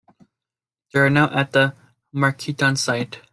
They are now at the Markeaton site.